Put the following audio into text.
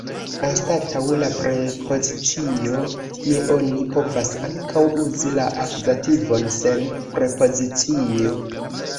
Anstataŭ la prepozicio je oni povas ankaŭ uzi la akuzativon sen prepozicio.